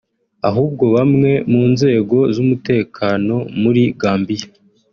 ahubwo bamwe mu nzego z’umutekano muri Gambia